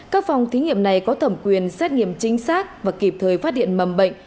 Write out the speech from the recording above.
các phòng thí nghiệm này có thẩm quyền xét nghiệm chính xác và kịp thời phát điện mầm bệnh